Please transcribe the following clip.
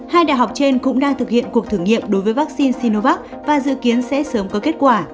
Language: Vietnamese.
hai đại học trên cũng đang thực hiện cuộc thử nghiệm đối với vaccine sinovac và dự kiến sẽ sớm có kết quả